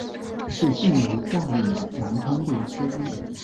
是晋煤外运的南通路之一。